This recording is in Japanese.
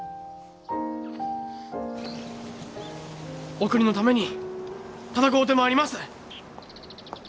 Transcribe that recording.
お国のために戦うてまいります！